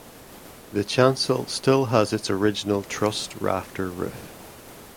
The chancel still has its original trussed rafter roof.